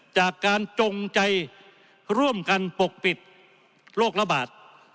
จงใจร่วมกันปกปิดโรคระบาด